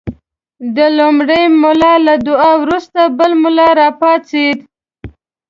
د لومړي ملا له دعا وروسته بل ملا راپاڅېد.